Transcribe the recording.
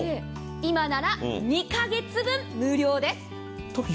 今なら２カ月分無料です！